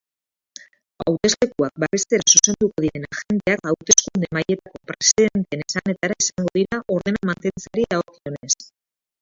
Hauteslekuak babestera zuzenduko diren agenteak hauteskunde-mahaietako presidenteen esanetara izango dira ordena mantentzeari dagokionez.